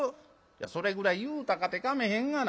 「それぐらい言うたかてかめへんがな。